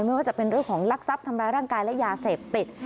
ไม่ว่าจะเป็นเรื่องของลักทรัพย์ทำร้ายร่างกายและยาเสพติด